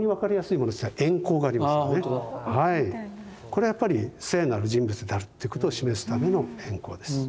これはやっぱり聖なる人物であるってことを示すための円光です。